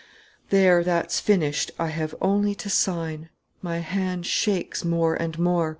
"There, that's finished. I have only to sign. My hand shakes more and more.